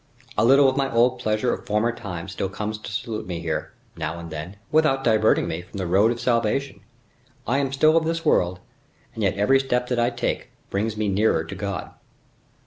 A little of my old pleasure of former times still comes to salute me here, now and then, without diverting me from the road of salvation. I am still of this world, and yet every step that I take brings me nearer to God."